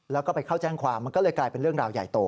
แล้วก็ไปเข้าแจ้งความมันก็เลยกลายเป็นเรื่องราวใหญ่โต